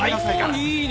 いいね。